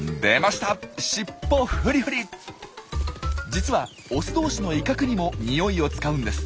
実はオス同士の威嚇にも臭いを使うんです。